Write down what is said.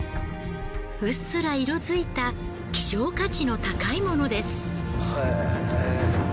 うっすら色づいた希少価値の高いものです。